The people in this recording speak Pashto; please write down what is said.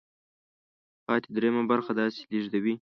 پاتې درېیمه برخه داسې لیږدوي.